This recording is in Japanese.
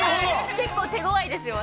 ◆結構手ごわいですよ、私。